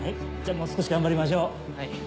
じゃあもう少し頑張りましょう。